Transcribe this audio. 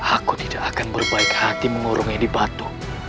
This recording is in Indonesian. aku tidak akan berbaik hati mengurungi di batu